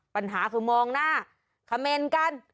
ปัญหาคือมองหน้าเขม่นกัน